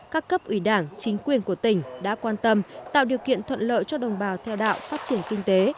các cấp ủy đảng chính quyền của tỉnh đã quan tâm tạo điều kiện thuận lợi cho đồng bào theo đạo phát triển kinh tế